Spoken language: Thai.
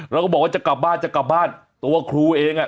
แล้วก็บอกว่าจะกลับบ้านจะกลับบ้านตัวครูเองอ่ะ